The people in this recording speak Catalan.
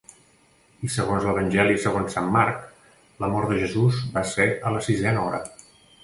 I segons l'Evangeli segons Marc la mort de Jesús va ser a la sisena hora.